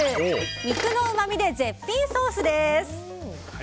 肉のうまみで絶品ソース！です。